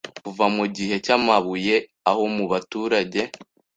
kuva mu gihe cy’Amabuye aho mubaturage